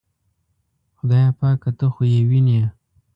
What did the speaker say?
خدایه پاکه ته خو یې وینې.